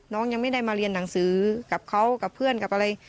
ยังไม่ได้มาเรียนหนังสือกับเขากับเพื่อนกับอะไร